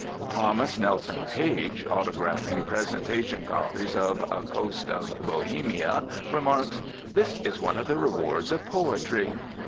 Thomas Nelson Page, autographing presentation copies of "A Coast of Bohemia," remarks, "This is one of the rewards of poetry."